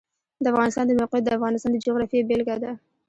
د افغانستان د موقعیت د افغانستان د جغرافیې بېلګه ده.